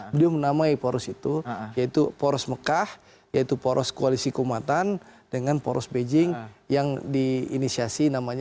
beliau menamai poros itu yaitu poros mekah yaitu poros koalisi keumatan dengan poros beijing yang diinisiasi namanya